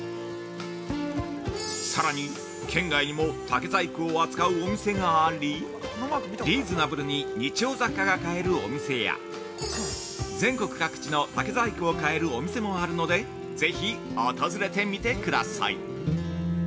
さらに県外にも、竹細工を扱うショップがありリーズナブルに日用雑貨が買えるお店や、別府だけでなく各地の竹工芸品を買えるお店もあるのでぜひお訪れてみてください。